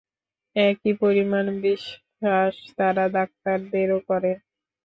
একই পরিমাণ বিশ্বাস তারা ডাক্তারদেরও করে।